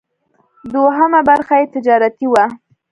دوهمه برخه یې تجارتي وه.